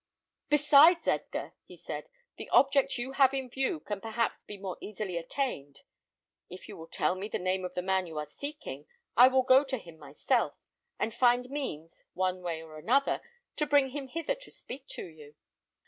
"Besides, Edgar," he said, "the object you have in view can perhaps be more easily attained. If you will tell me the name of the man you are seeking I will go to him myself, and find means, one way or another, to bring him hither to speak with you."